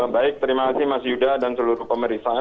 baik terima kasih mas yuda dan seluruh pemerintah